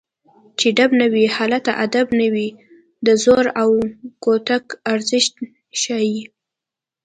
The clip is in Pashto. چې ډب نه وي هلته ادب نه وي د زور او کوتک ارزښت ښيي